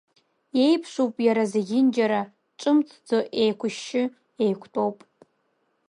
Еиԥшуп иара зегьынџьара, ҿымҭӡо еиқәшьшьы еиқәтәоуп.